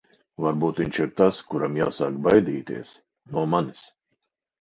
Varbūt viņš ir tas, kuram jāsāk baidīties... no manis.